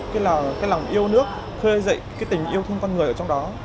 cái lòng yêu nước hơi dậy cái tình yêu thương con người ở trong đó